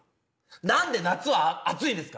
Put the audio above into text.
なんで夏は暑いんですか？